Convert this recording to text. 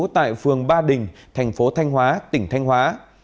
tại phường ba đình thành phố thanh hóa tỉnh thanh hóa